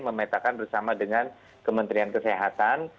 memetakan bersama dengan kementerian kesehatan